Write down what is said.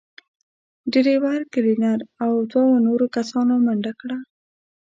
ډرېور، کلينر او دوو نورو کسانو منډه کړه.